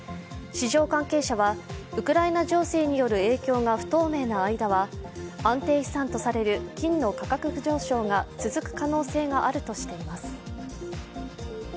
市場関係者はウクライナ情勢による影響が不透明な間は安定資産とされる金の価格上昇が続く可能性があるとしています。